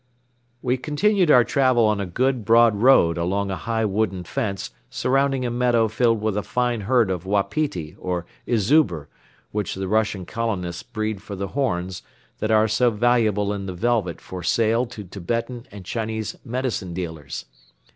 We continued our travel on a good broad road along a high wooden fence surrounding a meadow filled with a fine herd of wapiti or izubr, which the Russian colonists breed for the horns that are so valuable in the velvet for sale to Tibetan and Chinese medicine dealers.